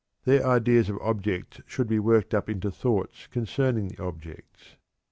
Their ideas of objects should be worked up into thoughts concerning the objects.